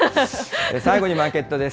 最後にマーケットです。